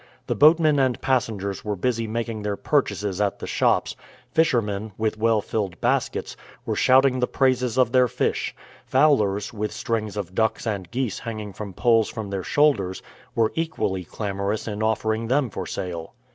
The boatmen and passengers were busy making their purchases at the shops; fishermen, with well filled baskets, were shouting the praises of their fish; fowlers, with strings of ducks and geese hanging from poles from their shoulders, were equally clamorous in offering them for sale.